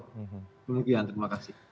demikian terima kasih